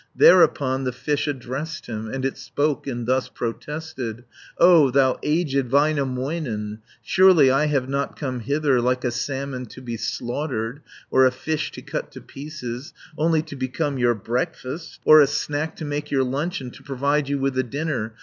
Thereupon the fish addressed him, And it spoke, and thus protested: "O thou aged Väinämöinen, Surely I have not come hither, 100 Like a salmon, to be slaughtered, Or a fish, to cut to pieces, Only to become your breakfast, Or a snack to make your luncheon, To provide you with a dinner.